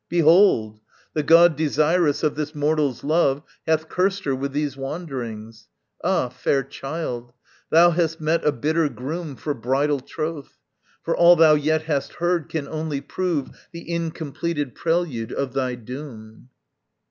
Behold! The god desirous of this mortal's love Hath cursed her with these wanderings. Ah, fair child, Thou hast met a bitter groom for bridal troth! For all thou yet hast heard can only prove The incompleted prelude of thy doom.